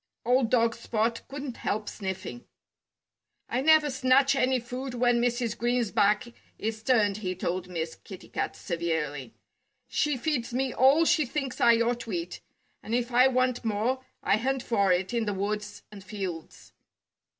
Old dog Spot couldn't help sniffing. "I never snatch any food when Mrs. Green's back is turned," he told Miss Kitty Cat severely. "She feeds me all she thinks I ought to eat. And if I want more, I hunt for it in the woods and fields."